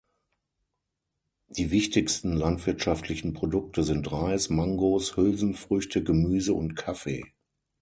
Die wichtigsten landwirtschaftlichen Produkte sind Reis, Mangos, Hülsenfrüchte, Gemüse und Kaffee.